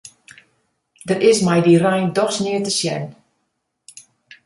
Der is mei dy rein dochs neat te sjen.